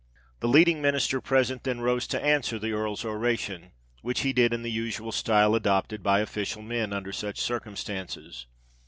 The leading Minister present then rose to answer the Earl's oration; which he did in the usual style adopted by official men under such circumstances.